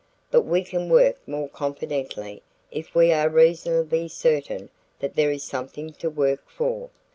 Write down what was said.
But we can work more confidently if we are reasonably certain that there is something to work for.